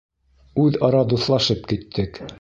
Үҙ-ара дуҫлашып киттек.